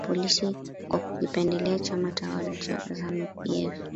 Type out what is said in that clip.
Na polisi kwa kukipendelea chama tawala cha Zanu PF